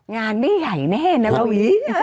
งานไม่ใหญ่แน่นะวี